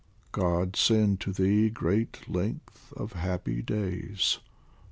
God send to thee great length of happy days